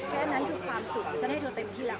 แค่นั้นคือความสุขฉันให้เธอเต็มที่แล้ว